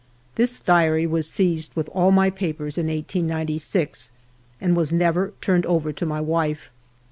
This diary was seized with all my papers in 1896 and was never turned over to my wife.